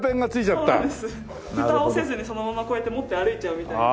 ふたをせずにそのままこうやって持って歩いちゃうみたいで。